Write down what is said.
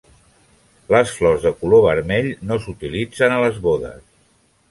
Les flors de color vermell no s'utilitzen a les bodes.